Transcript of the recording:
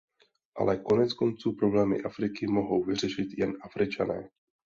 Ale koneckonců problémy Afriky mohou vyřešit jen Afričané.